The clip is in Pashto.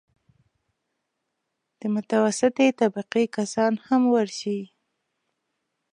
د متوسطې طبقې کسان هم ورشي.